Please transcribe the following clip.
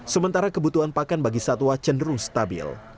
sementara kebutuhan pakan bagi satwa cenderung stabil